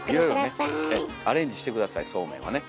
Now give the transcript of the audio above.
いろいろねアレンジして下さいそうめんはね。